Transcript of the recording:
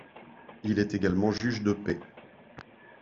Il est également juge de paix.